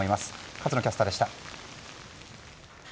勝野キャスターでした。